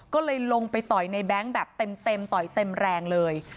ก็เลยลงไปต่อยในแบงค์แบบเต็มต่อยเต็มแรงเลย